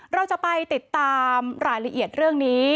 เราจะไปติดตามรายละเอียดเรื่องนี้